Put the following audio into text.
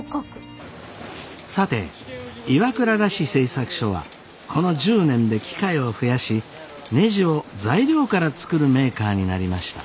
さて岩倉螺子製作所はこの１０年で機械を増やしねじを材料から作るメーカーになりました。